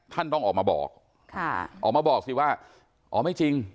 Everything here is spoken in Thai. ท่านต้องออกมาบอกค่ะออกมาบอกสิว่าอ๋อไม่จริง